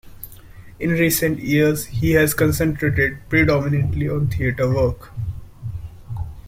In recent years he has concentrated predominantly on theatre work.